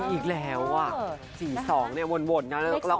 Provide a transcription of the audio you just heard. ๔อีกแล้วอ่ะ๔๒เนี่ยวนแล้วก็๕เห็นไหมล่ะ